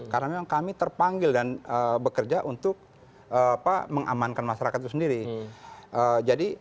karena memang kami terpanggil dan bekerja untuk mengamankan masyarakat itu sendiri